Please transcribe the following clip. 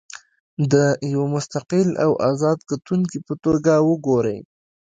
د یوه مستقل او ازاد کتونکي په توګه وګورئ.